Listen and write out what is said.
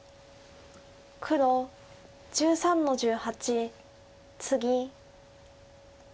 黒１３の十八ツギ。